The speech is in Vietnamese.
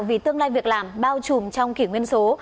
vì tương lai việc làm bao trùm trong kỷ nguyên số